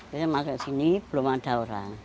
jadi masuk sini belum ada orang